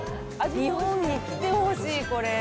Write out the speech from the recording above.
日本に来てほしい、これ。